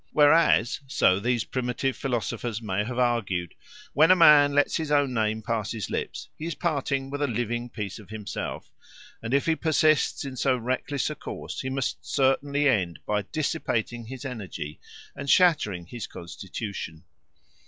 Whereas, so these primitive philosophers may have argued, when a man lets his own name pass his lips, he is parting with a living piece of himself, and if he persists in so reckless a course he must certainly end by dissipating his energy and shattering his constitution.